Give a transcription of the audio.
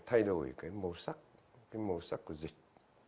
thay đổi cái màu sắc cái màu sắc của dịch